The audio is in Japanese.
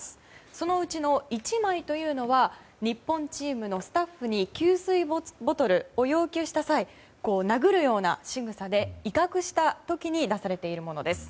そのうちの１枚というのは日本チームのスタッフに給水ボトルを要求した際殴るようなしぐさで威嚇した時に出されたものです。